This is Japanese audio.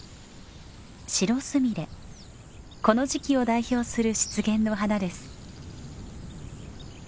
この時期を代表する湿原の花です。